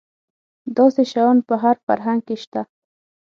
داسې شیان په هر فرهنګ کې شته.